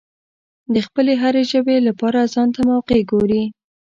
د خپلې هرې ژبې لپاره ځانته موقع ګوري.